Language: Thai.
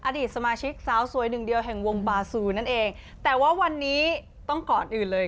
อดีตสมาชิกสาวสวยหนึ่งเดียวแห่งวงบาซูนั่นเองแต่ว่าวันนี้ต้องก่อนอื่นเลย